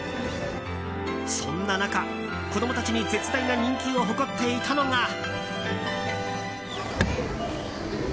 そんな中、子供たちに絶大な人気を誇っていたのが。